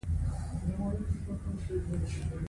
د افغانستان بانک د پیسو سیاست جوړوي